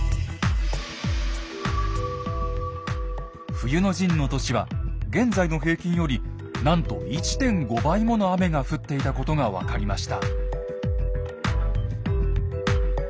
冬の陣の年は現在の平均よりなんと１．５倍もの雨が降っていたことが分かりました。